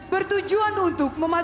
bertujuan untuk memanfaatkan